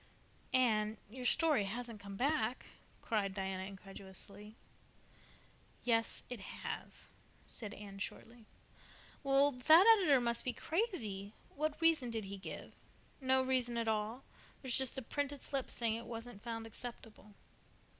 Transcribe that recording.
"Anne, your story hasn't come back?" cried Diana incredulously. "Yes, it has," said Anne shortly. "Well, that editor must be crazy. What reason did he give?" "No reason at all. There is just a printed slip saying that it wasn't found acceptable."